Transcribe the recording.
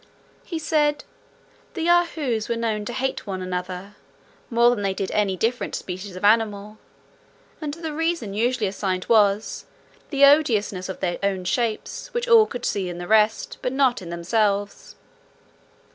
He said, "the Yahoos were known to hate one another, more than they did any different species of animals; and the reason usually assigned was, the odiousness of their own shapes, which all could see in the rest, but not in themselves.